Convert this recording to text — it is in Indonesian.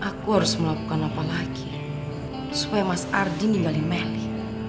aku harus melakukan apa lagi supaya mas ardi meninggalin melly